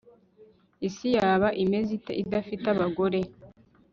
Isi yaba imeze ite idafite abagore